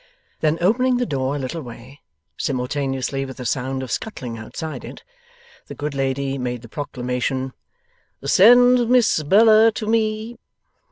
Then opening the door a little way, simultaneously with a sound of scuttling outside it, the good lady made the proclamation, 'Send Miss Bella to me!